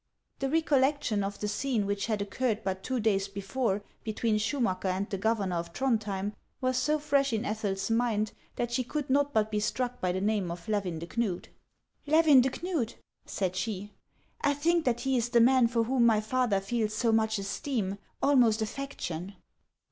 " Tlie recollection of the scene which had occurred but two days before, between Schurnacker and the governor of Throndhjem, was so fresh in Ethel's mind that she could not but be struck by the name of Levin de Knud. " Levin de Knud ?" said she ;" I think that he is the man for whom my father feels so much esteem, almost affection."